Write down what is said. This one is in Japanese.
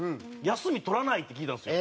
休み取らないって聞いたんですよ。